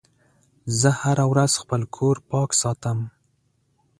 زه هره ورځ خپل کور پاک ساتم.